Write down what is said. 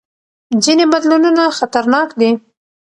ځینې بدلونونه خطرناک دي.